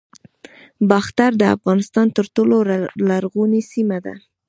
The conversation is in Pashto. باختر د افغانستان تر ټولو لرغونې سیمه ده